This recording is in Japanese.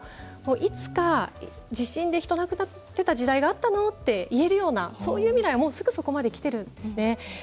いつか、地震で人が亡くなっていた時代があったと言えるような未来がもう、すぐそこまできているんですね。